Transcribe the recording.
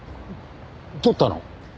取ったの？